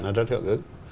họ rất hợp ứng